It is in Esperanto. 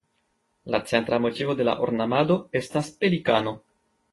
La centra motivo de la ornamado estas pelikano.